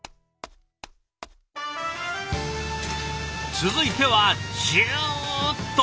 続いてはジュッと！